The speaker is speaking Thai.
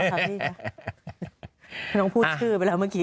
พี่ท้องพูดชื่อไปแล้วเมื่อที่